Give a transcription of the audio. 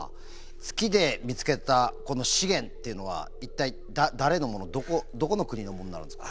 月で見つけたこの資源っていうのは一体誰のものどこの国のものになるんですか？